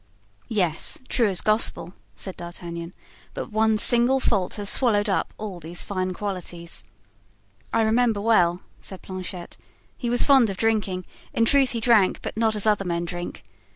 "Yes, true as Gospel," said D'Artagnan; "but one single fault has swallowed up all these fine qualities." "I remember well," said Planchet, "he was fond of drinking—in truth, he drank, but not as other men drink.